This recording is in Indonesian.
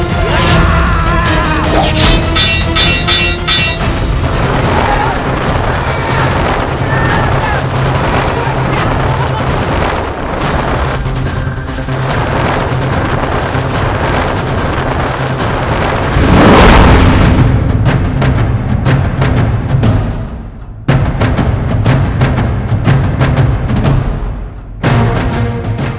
jajah jajah jajah